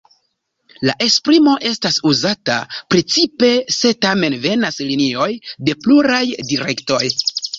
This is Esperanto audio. La esprimo estas uzata precipe, se tamen venas linioj de pluraj direktoj.